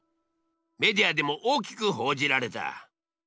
メディアでも大きく報じられた。